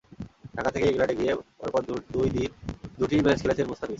ঢাকা থেকে ইংল্যান্ডে গিয়ে পরপর দুই দিন দুটি ম্যাচ খেলেছেন মুস্তাফিজ।